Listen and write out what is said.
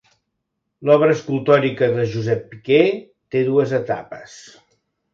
L'obra escultòrica de Josep Piqué té dues etapes.